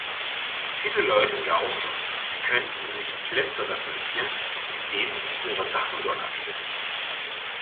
Viele Leute glauben, sie könnten sich Plätze reservieren, indem sie ihre Sachen dort abstellen.